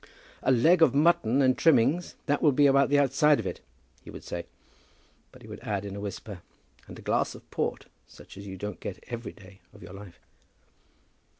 "A leg of mutton and trimmings; that will be about the outside of it," he would say; but he would add in a whisper, "and a glass of port such as you don't get every day of your life."